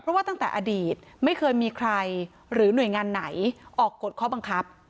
เพราะว่าตั้งแต่อดีตไม่เคยมีใครหรือหน่วยงานไหนออกกฎข้อบังคับ